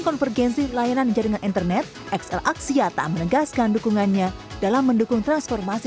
konvergensi layanan jaringan internet xl aksiata menegaskan dukungannya dalam mendukung transformasi